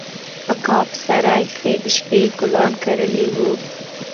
اکا په سراى کښې د شبۍ ګلان کرلي وو.